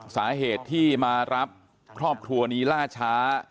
สาเหตุที่มารับครอบครัวนี้ล่าช้า